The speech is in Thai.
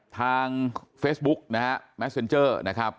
ทางเฟสบุ๊คนะครับเมสเซ็นเจอร์นะครับ